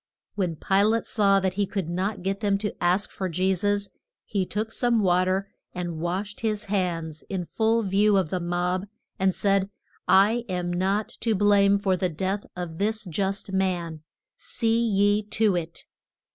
When Pi late saw that he could not get them to ask for Je sus, he took some wa ter and washed his hands in full view of the mob, and said, I am not to blame for the death of this just man; see ye to it.